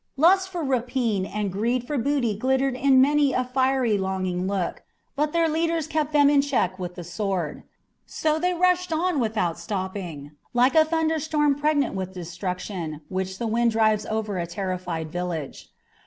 Lust of rapine and greed for booty glittered in many a fiery, longing look, but their leaders kept them in check with the sword. So they rushed on without stopping, like a thunderstorm pregnant with destruction which the wind drives over a terrified village.